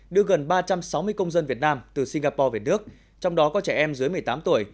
đưa gần ba trăm sáu mươi công dân việt nam từ singapore về nước trong đó có trẻ em dưới một mươi tám tuổi